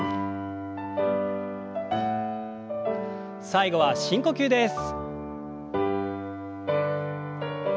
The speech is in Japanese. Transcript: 最後は深呼吸です。